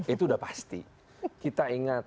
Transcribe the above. itu udah pasti kita ingat